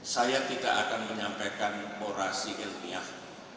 saya tidak akan menyampaikan orasi ilmiah